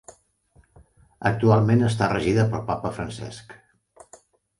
Actualment està regida pel Papa Francesc.